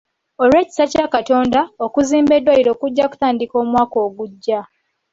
Olw'ekisa kya Katonda, okuzimba eddwaliro kujja kutandika omwaka ogujja.